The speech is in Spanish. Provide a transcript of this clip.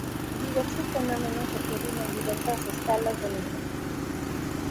Diversos fenómenos ocurren en diversas escalas de la energía.